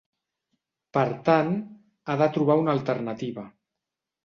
Per tant, ha de trobar una alternativa.